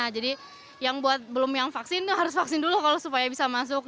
jadi yang buat belum yang vaksin harus vaksin dulu kalau supaya bisa masuk